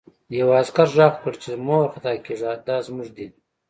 یوه عسکر غږ کړ چې مه وارخطا کېږه دا زموږ دي